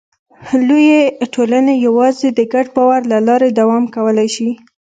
لویې ټولنې یواځې د ګډ باور له لارې دوام کولی شي.